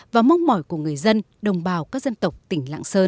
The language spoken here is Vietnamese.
và mong mỏi của người dân đồng bào các dân tộc tỉnh lạng sơn